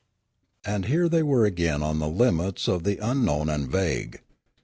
And here they were again on the limits of the un known and vague.